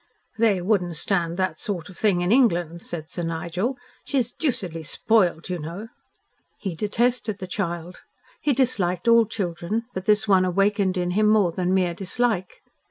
"They wouldn't stand that sort of thing in England," said Sir Nigel. "She's deucedly spoiled, you know." He detested the child. He disliked all children, but this one awakened in him more than mere dislike.